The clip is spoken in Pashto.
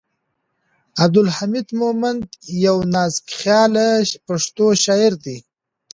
عبدالحمید مومند یو نازکخیاله پښتو شاعر دی.